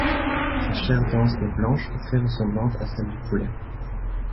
Sa chair dense et blanche est très ressemblante à celle du poulet.